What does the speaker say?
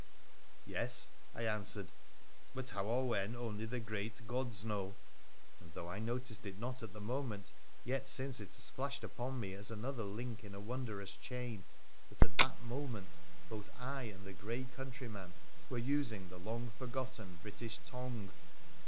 ' Yes,' I answered, ' but how or when only the great gods know' — and though I noticed it not at the moment, yet since it has flashed upon ma as another link in a wondrous chain, that at that moment both I and the grey countryman were using the long forgotten British tongue